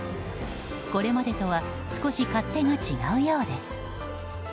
これまでとは少し勝手が違うようです。